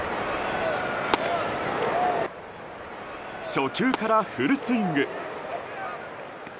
初球からフルスイング。